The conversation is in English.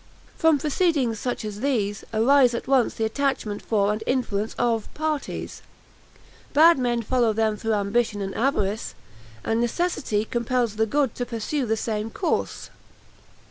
"From proceedings such as these, arise at once the attachment for and influence of parties; bad men follow them through ambition and avarice, and necessity compels the good to pursue the same course.